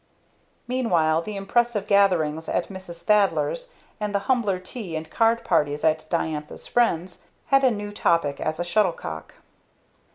Meanwhile the impressive gatherings at Mrs. Thaddler's, and the humbler tea and card parties of Diantha's friends, had a new topic as a shuttlecock.